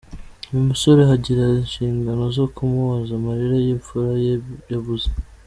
Uyu musore azagira inshingano zo kumuhoza amarira y'imfura ye yabuze.